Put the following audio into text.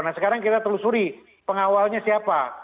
nah sekarang kita telusuri pengawalnya siapa